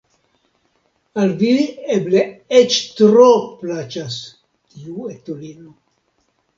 Al vi eble eĉ tro plaĉas tiu etulino!